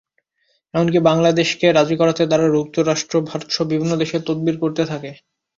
এমনকি বাংলাদেশকে রাজি করাতে তারা যুক্তরাষ্ট্র, ভারতসহ বিভিন্ন দেশে তদবির করতে থাকে।